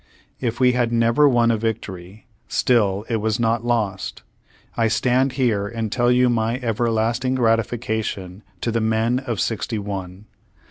If we had never won a victory, still it was not lost. I stand here and tell you my everlasting gratifica tion to the men of sixty one.